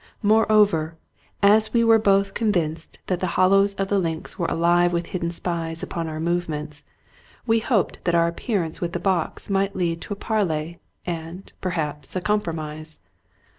Moreover, as we were both convinced that the hollows of the links were alive with hidden spies upon our movements, we hoped that our ap pearance with the box might lead to a parley, and, perhaps, a compromise.